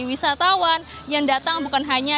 wisatawan yang datang bukan hanya